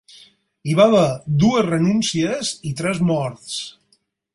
Hi va haver dues renúncies i tres morts.